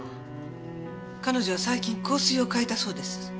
彼女は最近香水を変えたそうです。